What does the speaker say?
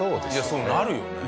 そうなるよね。